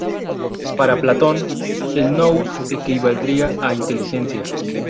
Para Platón, el Nous equivaldría a inteligencia.